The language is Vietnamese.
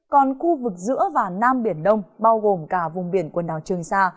còn khu vực giữa và nam biển đông bao gồm cả vùng biển quần đảo trường sa